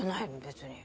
別に。